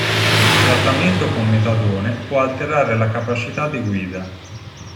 Il trattamento con metadone può alterare la capacità di guida.